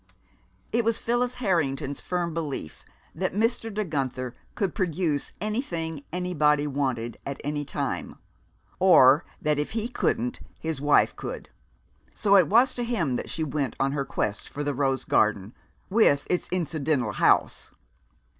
It was Phyllis Harrington's firm belief that Mr. De Guenther could produce anything anybody wanted at any time, or that if he couldn't his wife could. So it was to him that she went on her quest for the rose garden, with its incidental house.